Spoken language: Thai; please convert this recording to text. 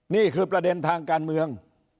นี่คือประเด็นทางการเมือง